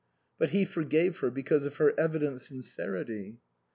But he forgave her because of her evident sincerity.